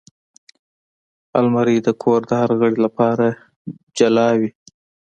الماري د کور د هر غړي لپاره جدا وي